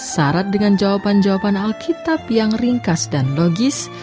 syarat dengan jawaban jawaban alkitab yang ringkas dan logis